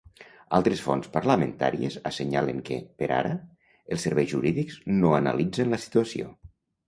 Altres fonts parlamentàries assenyalen que, per ara, els serveis jurídics no analitzen la situació.